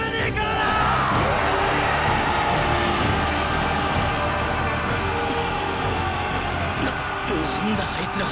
な何だあいつら。